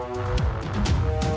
buat apa kita kemarin